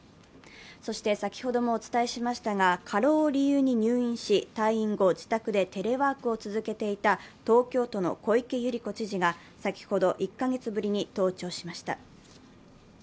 先ほどもお伝えしましたが、過労を理由に入院し退院後、自宅でテレワークを続けていた東京都の小池百合子知事が先ほど１カ月ぶりに登庁しました。